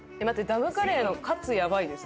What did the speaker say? ダムカレーのカツやばいです。